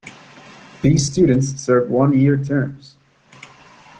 These students serve one-year terms.